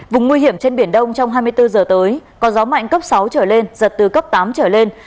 vùng nguy hiểm trên biển đông trong hai mươi bốn giờ tới có gió mạnh cấp sáu trở lên giật từ cấp tám trở lên